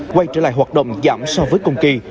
quay trở lại hoạt động giảm so với cùng kỳ